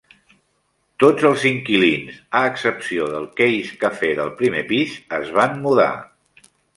Tots els inquilins, a excepció del Keys Café del primer pis, es van mudar.